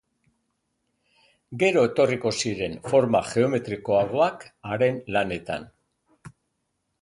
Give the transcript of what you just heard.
Gero etorriko ziren forma geometrikoagoak haren lanetan.